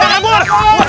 hey jangan kabur